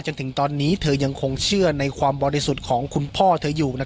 จนถึงตอนนี้เธอยังคงเชื่อในความบริสุทธิ์ของคุณพ่อเธออยู่